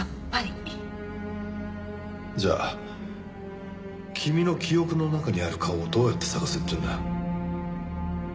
じゃあ君の記憶の中にある顔をどうやって捜せっていうんだ？